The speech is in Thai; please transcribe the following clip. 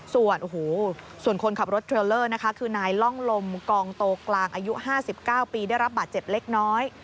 ส่วนคนขับรถเทรลเลอร์นะคะคือนายล่องลมกองโตกลางอายุ๕๙ปีได้รับบาดเจ็บเล็กน้อย